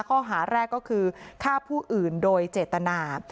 ข้อหาแรกก็คือฆ่าผู้อื่นโดยเจตนา